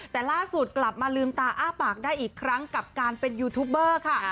แต่ล่าสุดกลับมาลืมตาอ้าปากได้อีกครั้งกับการเป็นยูทูบเบอร์ค่ะ